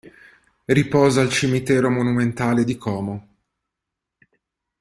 Riposa al Cimitero Monumentale di Como.